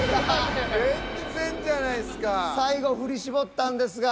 最後振り絞ったんですが。